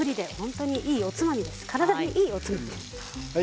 体にいいおつまみです。